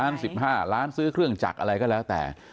ล้าน๑๕ล้านซื้อเครื่องจักรอะไรก็แล้วแต่